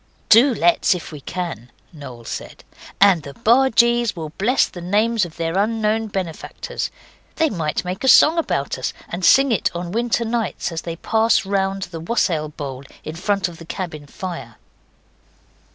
'Do let's, if we can,' Noel said, 'and the bargees will bless the names of their unknown benefactors. They might make a song about us, and sing it on winter nights as they pass round the wassail bowl in front of the cabin fire.